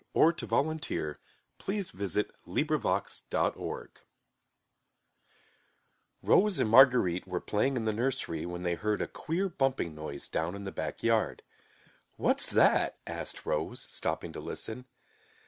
The Things in the Garden By GERTRUDE WARNER Rose and Marguerite were playing in the nursery when they heard a queer bumping noise down in the back yard. "What's that?" asked Rose, stopping to listen.